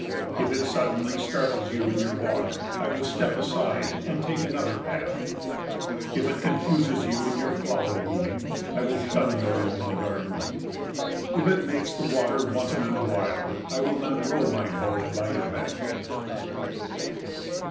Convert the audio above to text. If it suddenly startles you in your walk, I will step aside and take another path. If it confuses you in your flower weaving, I will shun your lonely garden. If it makes the water wanton and wild, I will not row my boat by your bank.